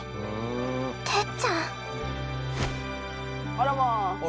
あらまあ。